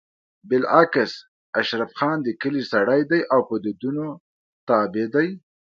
بالعكس اشرف خان د کلي سړی دی او په دودونو تابع دی